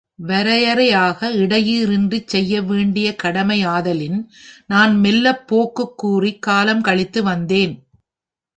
வரையறையாக இடையீடின்றிச் செய்ய வேண்டிய கடமையாதலின், நான் மெல்லப் போக்குக் கூறிக் காலம் கழித்து வந்தேன்.